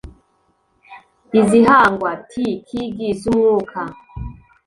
izihagwa , T- ,kg z’umwuka